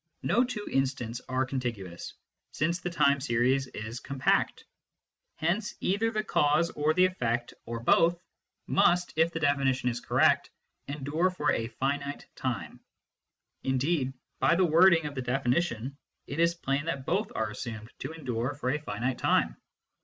No two instants are contiguous, since the time series is compact ; hence either the cause or the effect or both must, if the definition is correct, endure for a finite time ; indeed, by the wording of the definition it is plain^that both are assumed to endure for a finite time.